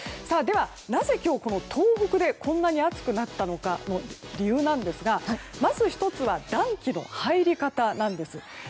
では、なぜ今日東北でこんなに暑くなった理由なんですがまず、１つは暖気の入り方なんです。